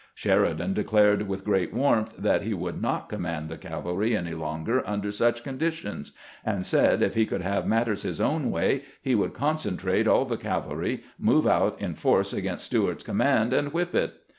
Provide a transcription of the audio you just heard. Sheridan declared with great warmth that he would not command the cavalry any longer under such conditions, and said if he could have matters his own way he would concentrate all the cav alry, move out in force against Stuart's command, and whip it.